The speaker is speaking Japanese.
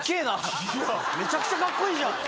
めちゃくちゃカッコいいじゃん！